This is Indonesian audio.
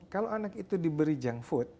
kalau anak itu diberi junk food